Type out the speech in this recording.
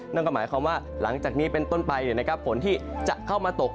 นั่นก็หมายความว่าหลังจากนี้เป็นต้นไปฝนที่จะเข้ามาตก